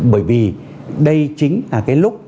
bởi vì đây chính là cái lúc